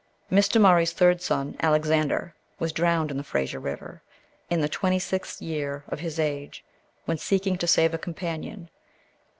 Mr. Murray's third son, Alexander, was drowned in the Fraser River, in the twenty sixth year of his age, when seeking to save a companion.